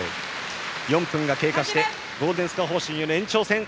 ４分が経過してゴールデンスコア方式による延長戦。